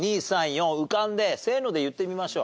浮かんで「せーの」で言ってみましょう。